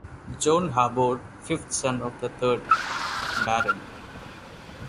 John Harbord, fifth son of the third Baron.